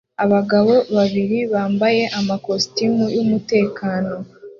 Abagabo babiri bambaye amakositimu y'umutekano